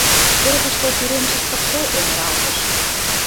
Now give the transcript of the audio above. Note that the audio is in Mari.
Кӧргыштӧ тюремщик пыкше эҥыралтыш: